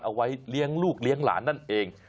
เอาไว้เลี้ยงลูกเลี้ยงหลานนั่นเอง